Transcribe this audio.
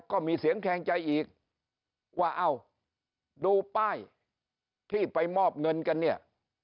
ก็มีเสียงแคลงใจอีกว่าเอ้าดูป้ายที่ไปมอบเงินกันเนี่ย